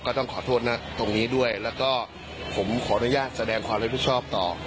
ต้องขอโทษนะตรงนี้ด้วยแล้วก็ผมขออนุญาตแสดงความรับผิดชอบต่อ